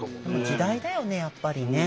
時代だよねやっぱりね。